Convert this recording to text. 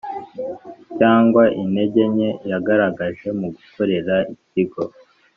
cyangwa intege nke yagaragaje mu gukorera ikigo